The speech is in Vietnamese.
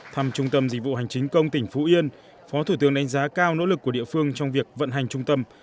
thăm trung tâm dịch vụ hành chính công tỉnh phú yên phó thủ tướng đánh giá cao nỗ lực của địa phương trong việc vận hành trung tâm